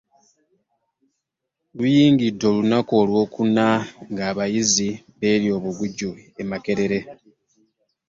Luyingidde olunaku olw'okuna ng'abayizi beerya obuguju e Makerere